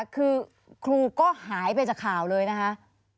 คือครูก็หายไปจากข่าวเลยนะคะ